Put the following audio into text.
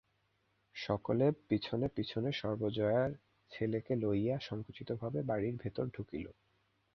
সকলেব পিছনে পিছনে সর্বজয়া ছেলেকে লইয়া সংকুচিতভাবে বাড়ির ভিতর ঢুকিল।